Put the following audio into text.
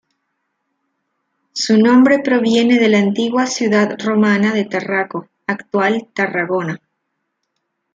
Su nombre proviene de la antigua ciudad romana de Tarraco, actual Tarragona.